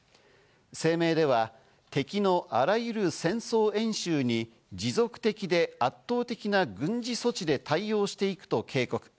声明では、敵のあらゆる戦争演習に持続的で圧倒的な軍事措置で対応していくと警告。